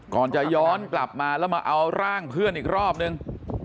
ก่อนจะย้อนกลับมาแล้วมาเอาร่างเพื่อนอีกรอบนึง